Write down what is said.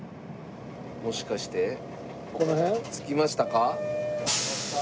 もしかして着きましたか？